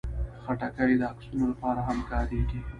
خټکی د عکسونو لپاره هم کارېږي.